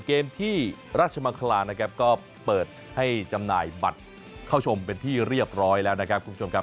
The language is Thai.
เกมที่ราชมังคลานะครับก็เปิดให้จำหน่ายบัตรเข้าชมเป็นที่เรียบร้อยแล้วนะครับคุณผู้ชมครับ